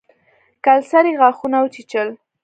کلسري غاښونه وچيچل.